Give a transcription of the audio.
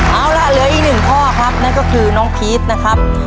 เอาล่ะเหลืออีกหนึ่งข้อครับนั่นก็คือน้องพีชนะครับ